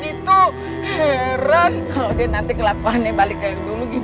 iyan tuh naked humidity